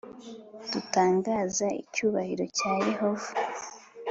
Dutangaza icyubahiro cya Yehova